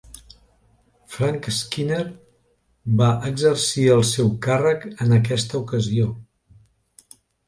Frank Skinner va exercir el seu càrrec en aquesta ocasió.